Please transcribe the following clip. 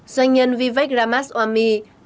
doanh nhân vivek ramaswamy